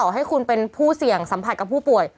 ให้คุณเป็นผู้เสี่ยงสัมผัสกับผู้ป่วย